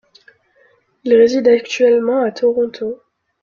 Il réside actuellement à Toronto.